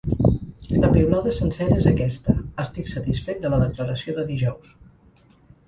La piulada sencera és aquesta: Estic satisfet de la declaració de dijous.